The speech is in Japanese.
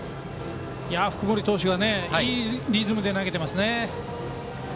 福盛投手がいいリズムで投げてますね。